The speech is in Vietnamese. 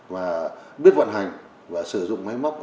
và biết vận hành và sử dụng máy móc